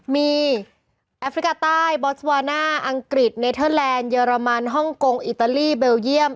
มีแอฟริกาใต้บอสวาน่าอังกฤษเนเทอร์แลนด์เรมันฮ่องกงอิตาลีเบลเยี่ยม